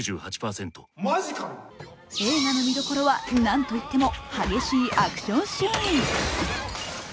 映画の見どころはなんといっても激しいアクションシーン。